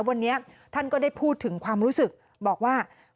วันนี้ท่านก็ได้พูดถึงความรู้สึกบอกว่า